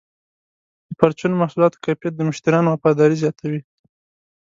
د پرچون محصولاتو کیفیت د مشتریانو وفاداري زیاتوي.